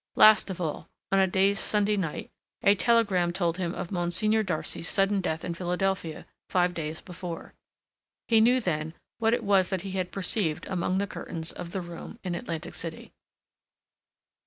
Last of all, on a dazed Sunday night, a telegram told him of Monsignor Darcy's sudden death in Philadelphia five days before. He knew then what it was that he had perceived among the curtains of the room in Atlantic City.